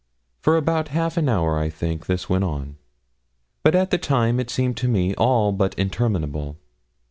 For about half an hour, I think, this went on; but at the time it seemed to me all but interminable.